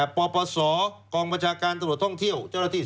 ปปสกองบัญชาการตท่องเที่ยว